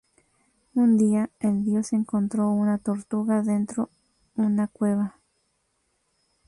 Un día, el dios encontró una tortuga dentro una cueva.